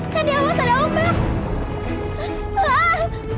sandi awas ada ombak